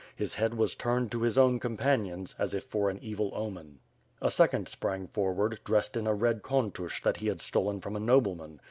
His head was turned to his own companions, as if for an evil omen. A second sprang forward, dressed in a red Kontush that he had stolen from a nobleman.